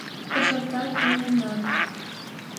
Кошарта ту мемнам...